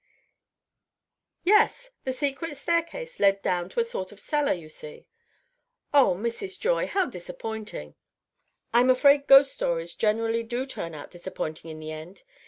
"Yes. The secret staircase led down to a sort of cellar, you see." "Oh, Mrs. Joy, how disappointing!" "I'm afraid ghost stories generally do turn out disappointing in the end.